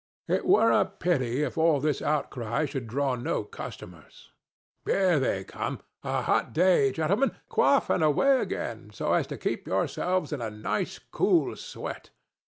It were a pity if all this outcry should draw no customers. Here they come.—A hot day, gentlemen! Quaff and away again, so as to keep yourselves in a nice cool sweat.